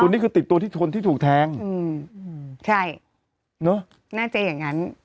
นี่คือติดตัวที่ชนที่ถูกแทงอืมใช่เนอะน่าจะอย่างงั้น